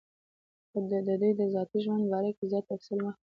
خو دَدوي دَذاتي ژوند باره کې زيات تفصيل مخې ته نۀ دی راغلی